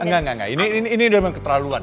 enggak enggak ini dari keterlaluan